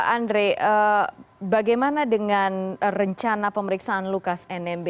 andre bagaimana dengan rencana pemeriksaan lukas nmb